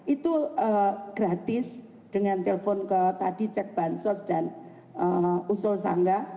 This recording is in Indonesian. itu gratis dengan telpon ke tadi cek bansos dan usul sangga